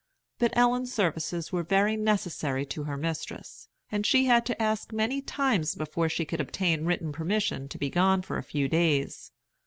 But Ellen's services were very necessary to her mistress, and she had to ask many times before she could obtain a written permission to be gone for a few days.